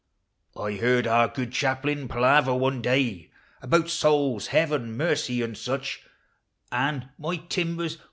I heard our good chaplain palaver one day AImmii BOUls, heaven, mercy, and such; And. my timbers!